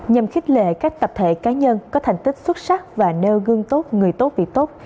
nhằm khích lệ các tập thể cá nhân có thành tích xuất sắc và nêu gương tốt người tốt việc tốt